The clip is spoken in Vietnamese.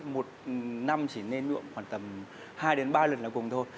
một năm chỉ nên nhuộm khoảng tầm hai đến ba lần là cùng thôi